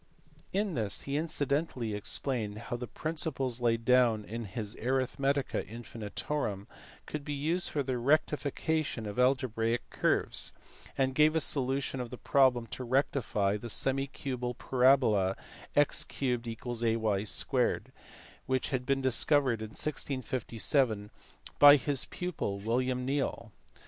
In this he incidentally explained how the principles laid down in his Arithmetics Infinitorum could be used for the rectification of algebraic curves ; and gave a solution of the problem to rectify the semi cubical parabola x 3 = ay*, which had been discovered iu 1657 by his pupil William Neil.